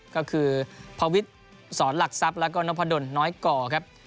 ก็คือพวิทย์สอนหลักทรัพย์แล้วก็นพดลน้อยก่อครับ